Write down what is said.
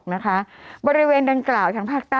กรมป้องกันแล้วก็บรรเทาสาธารณภัยนะคะ